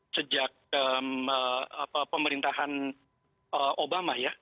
sejak pemerintahan obama ya